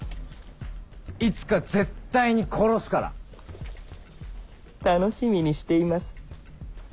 いつか絶対に殺すから楽しみにしています